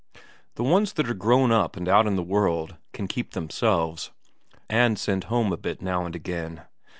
The ones that are grown up and out in the world can keep themselves, and send home a bit now and again.